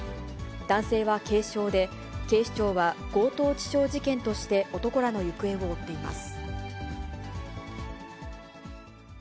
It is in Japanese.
男性は軽傷で、警視庁は強盗致傷事件として、男らの行方を追っています。